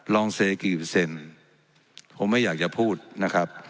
ลองเซกิลผมไม่อยากจะพูดน่ะครับ